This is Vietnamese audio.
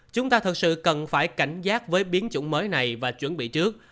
chúng ta thực sự cần phải cảnh giác với biến chủng mới này và chuẩn bị trước